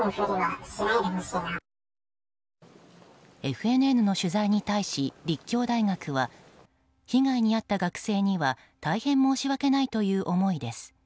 ＦＮＮの取材に対し立教大学は被害に遭った学生には大変申し訳ないという思いです。